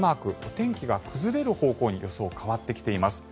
天気が崩れる方向に予想、変わってきています。